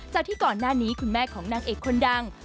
จากที่ก่อนหน้านี้คุณแม่ของนางเอกคนดัง